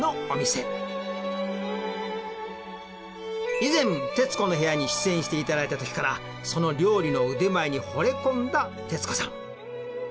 以前『徹子の部屋』に出演して頂いた時からその料理の腕前に惚れ込んだ徹子さん。